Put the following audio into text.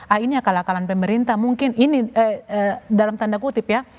ah ini akal akalan pemerintah mungkin ini dalam tanda kutip ya